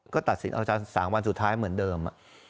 ก็ตัดสินอาจารย์๓วันสุดท้ายเหมือนเดิม